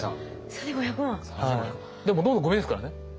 でもほとんどごみですからね。